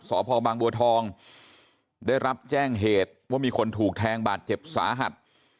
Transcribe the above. สพบางบัวทองได้รับแจ้งเหตุว่ามีคนถูกแทงบาดเจ็บสาหัส